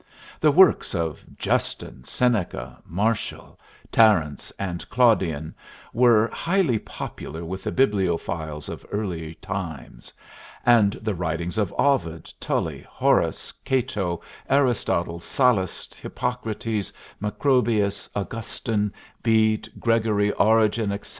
The works of Justin, Seneca, Martial, Terence, and Claudian were highly popular with the bibliophiles of early times; and the writings of Ovid, Tully, Horace, Cato, Aristotle, Sallust, Hippocrates, Macrobius, Augustine, Bede, Gregory, Origen, etc.